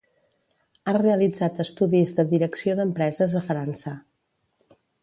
Ha realitzat estudis de Direcció d'empreses a França.